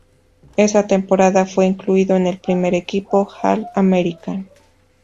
Esa temporada fue incluido en el primer equipo All-American.